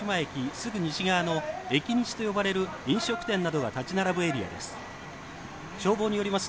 すぐ西側のエニキシと呼ばれる飲食店などが立ち並ぶエリアです。